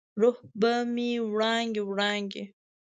روح به مې وړانګې، وړانګې،